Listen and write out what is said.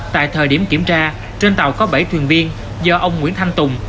tại thời điểm kiểm tra trên tàu có bảy thuyền viên do ông nguyễn thanh tùng